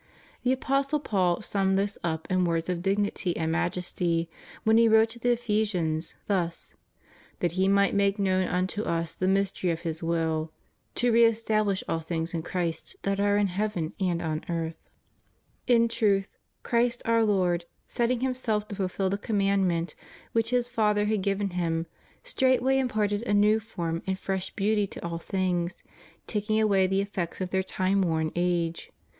The Apostle Paul summed this up in words of dignity and majesty when he wrote to the Ephesians, thus: That He might make knovm unto us the mystery of His will ... to re establish all things in Christ that are in heaven and on earth} In truth, Christ our Lord, setting Himself to fulfil the conmiandment which His Father had given Him, straight way imparted a new form and fresh beauty to all things, taking away the effects of their time worn age.